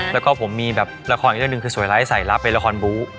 แล้วก็ผมมีแบบละครอีกเรื่องหนึ่งคือสวยไลท์สายลับในละครบู๊